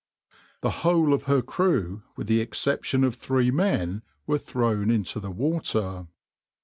The whole of her crew with the exception of three men, were thrown into the water.